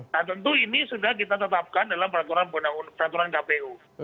nah tentu ini sudah kita tetapkan dalam peraturan kpu